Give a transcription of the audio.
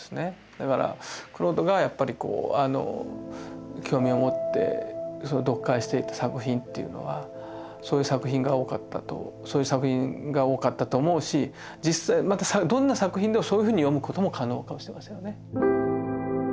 だからクロードが興味を持って読解していた作品っていうのはそういう作品が多かったと思うし実際またどんな作品でもそういうふうに読むことも可能かもしれませんよね。